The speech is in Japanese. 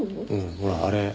ほらあれ。